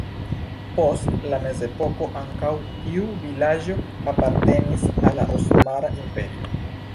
Post la mezepoko ankaŭ tiu vilaĝo apartenis al la Osmana Imperio.